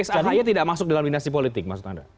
case a haya tidak masuk dalam dinasti politik maksud anda